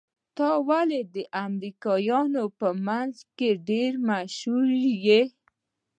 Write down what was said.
ته ولې د امريکايانو په منځ کې ډېر مشهور يې؟